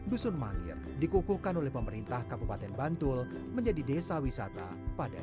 dusun mangir dikukuhkan oleh pemerintah kabupaten bantul menjadi desa wisata pada dua ribu tiga belas